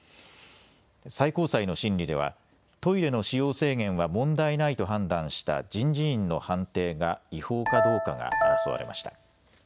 最高裁の審理ではトイレの使用制限は問題ないと判断した人事院の判定が違法かどうかが争われました。